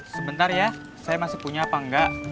sebentar ya saya masih punya apa enggak